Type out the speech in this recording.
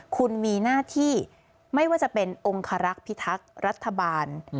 คุณมีหน้าที่ไม่ว่าจะเป็นองคารักษ์พิทักษ์รัฐบาล